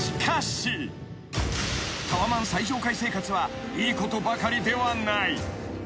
［タワマン最上階生活はいいことばかりではない］